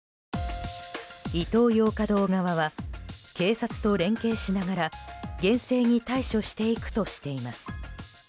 イトーヨーカ堂側は警察と連携しながら厳正に対処していくとしています。